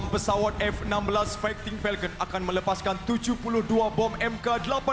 enam pesawat f enam belas fighting falcon akan melepaskan tujuh puluh dua bom mk delapan puluh